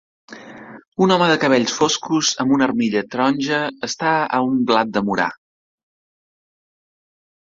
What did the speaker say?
Un home de cabells foscos amb una armilla taronja està a un blatdemorar.